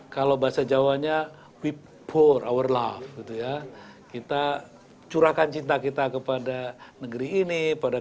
kalau bahasa jawanya web for our love gitu ya kita curahkan cinta kita kepada negeri ini pada